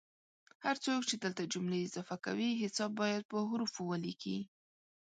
هر څوک چې دلته جملې اضافه کوي حساب باید په حوفو ولیکي